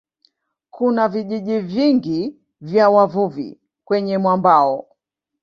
Kuna vijiji vingi vya wavuvi kwenye mwambao.